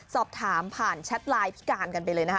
สอบถามผ่านแชทไลน์พิการกันไปเลยนะคะ